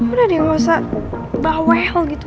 udah deh gak usah bawel gitu